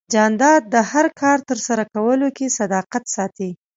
جانداد د هر کار ترسره کولو کې صداقت ساتي.